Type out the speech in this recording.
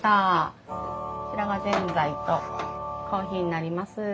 こちらがぜんざいとコーヒーになります。